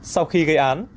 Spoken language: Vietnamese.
sau khi gây án